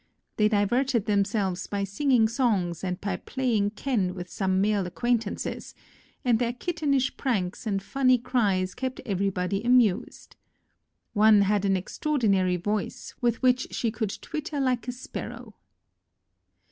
They diverted themselves by singing songs and by playing ken with some male acquaint ances, and their kittenish pranks and funny cries kept everybody amused. One had an extraordinary voice, with which she could twitter like a sparrow.